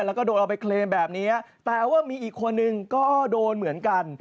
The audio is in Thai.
แล้วก็โดนเอาไปเคลมแบบนี้แต่ว่ามีอีกคนนึงก็โดนเหมือนกัน